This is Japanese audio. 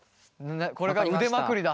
これから腕まくりだ。